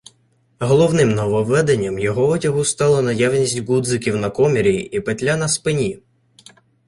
Головним нововведенням його одягу стала наявність ґудзиків на комірі і петля на спині.